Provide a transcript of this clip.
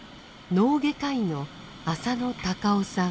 脳外科医の浅野孝雄さん。